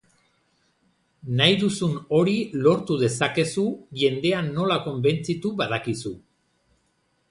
Nahi duzun hori lortu dezakezu jendea nola konbentzitu badakizu.